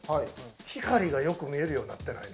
光がよく見えるようになってない？